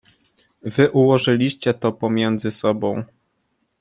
"Wy ułożyliście to pomiędzy sobą."